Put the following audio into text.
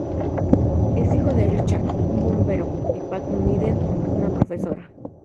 Es hijo de Richard, un bombero; y Pat Madden, una profesora.